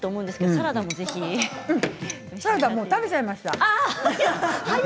サラダもう食べちゃいました。